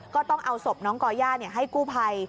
ก็ต้องเอาศพน้องก่อย่าให้กู้ภัย